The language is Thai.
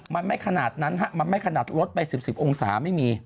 มันไม่ขนาดนั้นฮะมันไม่ขนาดลดไป๑๐๑๐องศาไม่มี